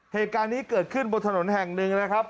เหตุการณ์นี้เกิดขึ้นบนถนนแห่งหนึ่งนะครับ